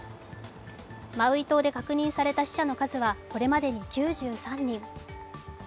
マウイ島で確認された死者の数はこれまでに９３人。